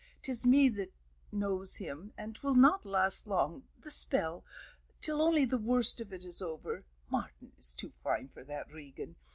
'Tis me that knows him, and 'twill not last long, the spell, only till the worst of it is over Martin is too fine for that, Regan.